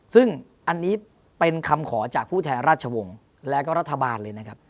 ซึ่งอันนี้เป็นคำขอจากผู้แทนราชวงศ์แล้วก็รัฐบาลเลยนะครับ